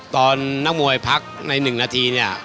นักมวยพักใน๑นาทีเนี่ย